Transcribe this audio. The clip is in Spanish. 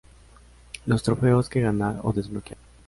Los trofeos que ganar o desbloquear.